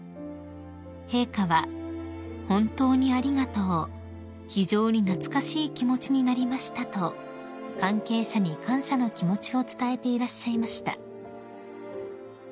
［陛下は「本当にありがとう」「非常に懐かしい気持ちになりました」と関係者に感謝の気持ちを伝えていらっしゃいました］